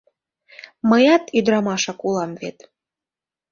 Мыят ӱдырамашак улам вет...